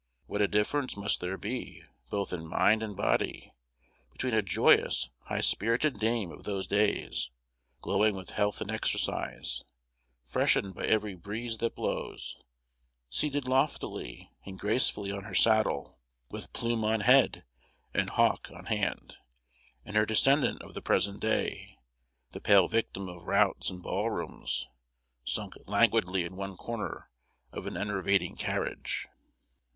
What a difference must there be, both in mind and body, between a joyous high spirited dame of those days, glowing with health and exercise, freshened by every breeze that blows, seated loftily and gracefully on her saddle, with plume on head, and hawk on hand, and her descendant of the present day, the pale victim of routs and ball rooms, sunk languidly in one corner of an enervating carriage."